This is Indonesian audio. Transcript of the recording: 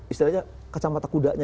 istilahnya kacamata kudanya